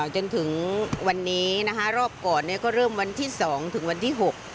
จนถึงวันนี้นะคะรอบก่อนก็เริ่มวันที่๒ถึงวันที่๖